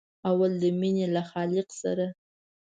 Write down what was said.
اول د مینې له خالق سره.